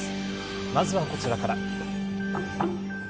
まずはこちらから。